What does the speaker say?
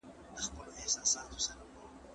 سپین سرې ښځې په خپله کنډاسه خوله بدې خبرې وکړې.